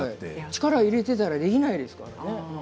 力を入れていたらできないですからね